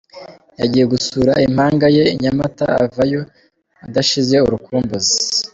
Yagiye gusura impanga ye i Nyamata avayo adashize urukumbuzi.